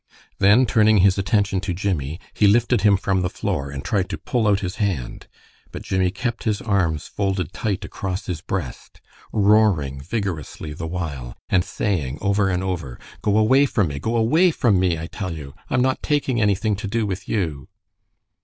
Then turning his attention to Jimmie, be lifted him from the floor and tried to pull out his hand. But Jimmie kept his arms folded tight across his breast, roaring vigorously the while, and saying over and over, "Go away from me! Go away from me, I tell you! I'm not taking anything to do with you."